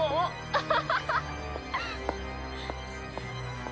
アハハハ！